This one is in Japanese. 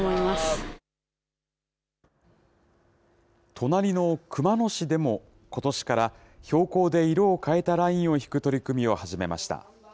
隣の熊野市でも、ことしから標高で色を変えたラインを引く取り組みを始めました。